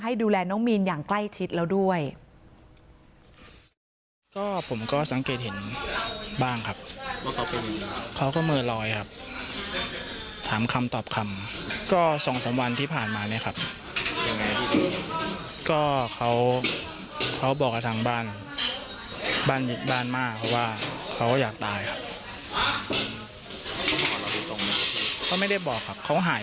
ดูแลน้องมีนอย่างใกล้ชิดแล้วด้วย